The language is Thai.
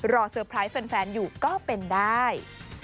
เซอร์ไพรส์แฟนอยู่ก็เป็นได้